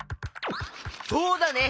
そうだね！